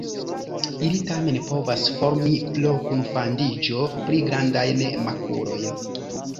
Ili tamen povas formi pro kunfandiĝo pli grandajn makulojn.